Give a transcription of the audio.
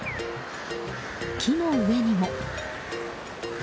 木の上にも。